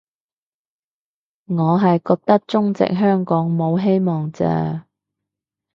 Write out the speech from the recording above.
我係覺得中殖香港冇希望啫